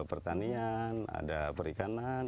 pertanian ada perikanan